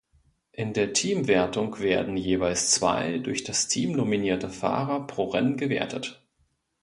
In der Teamwertung werden jeweils zwei durch das Team nominierte Fahrer pro Rennen gewertet.